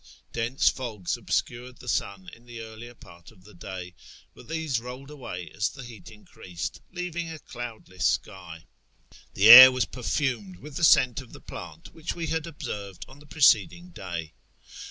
Dense fogs obscured the sun in the earlier part of the day, but these rolled away as the heat increased, leaving a cloudless sky. The air was perfumed with the scent of the plant which we had observed on the preceding day.